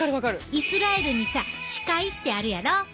イスラエルにさ死海ってあるやろ？